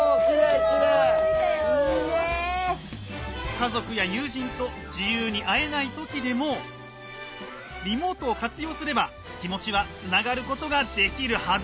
家族や友人と自由に会えない時でもリモートを活用すれば気持ちはつながることができるはず。